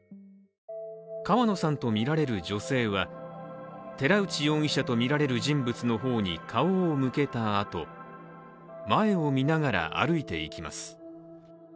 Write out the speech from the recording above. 川野さんとみられる女性は寺内容疑者とみられる人物の方に顔を向けたあと、前を見ながら歩いて行きます。